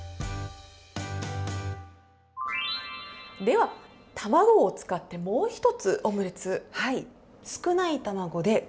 では、卵を使ってもう１つ、オムレツ。